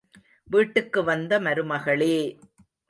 வீட்டுக்கு வந்த மருமகளே!